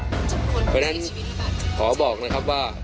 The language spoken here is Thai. เพราะฉะนั้นขอบอกนะครับว่า